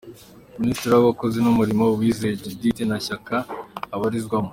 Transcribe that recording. Minisitiri w’Abakozi n’Umurimo, Uwizeye Judith Nta shyaka abarizwamo.